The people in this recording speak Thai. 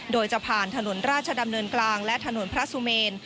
โดยจะผ่านถนนราชดำเนินกลางและถนนพระสุเมน